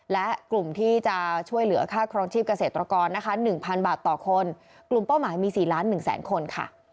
และกลุ่มที่จะช่วยเหลือค่าครองชีพเกษตรกรนะคะ๑๐๐บาทต่อคนกลุ่มเป้าหมายมี๔ล้าน๑แสนคนค่ะ